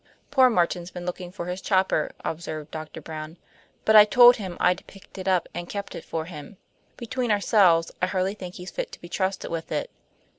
"Poor Martin's been looking for his chopper," observed Doctor Brown, "but I told him I'd picked it up and kept it for him. Between ourselves, I hardly think he's fit to be trusted with it."